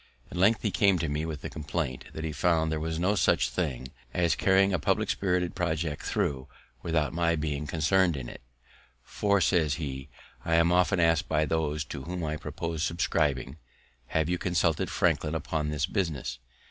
At length he came to me with the compliment that he found there was no such thing as carrying a public spirited project through without my being concern'd in it. "For," says he, "I am often ask'd by those to whom I propose subscribing, Have you consulted Franklin upon this business?